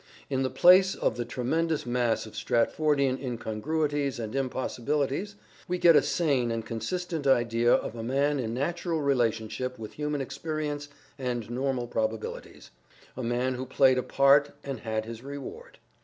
In the place of the tremendous mass of Stratfordian incongruities and impossibilities we get a sane and consistent idea of a man in natural relationship with human experience and normal probabilities. A man who played a part and had his reward.